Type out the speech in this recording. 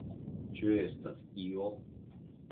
Ĉu estas io?